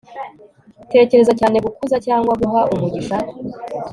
Tekereza cyane gukuza cyangwa guha umugisha